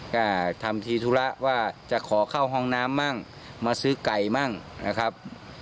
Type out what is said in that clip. ก็ทำทีธุระว่าจะขอเข้าห้องน้ำมั่งมาซื้อไก่มั่งนะครับ